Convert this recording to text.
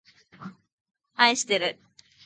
あいしてる